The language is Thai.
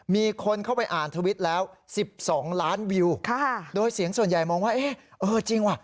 มีคนเข้าไปอ่านทวิตแล้ว๑๒ล้านวิวโดยเสียงส่วนใหญ่มองว่าเอ๊ะเออจริงว่ะ